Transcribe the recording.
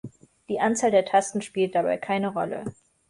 Die Anzahl der Tasten spielt dabei keine Rolle.